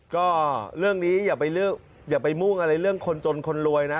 ก็เรื่องนี้อย่าไปมุ่งอะไรเรื่องคนจนคนรวยนะ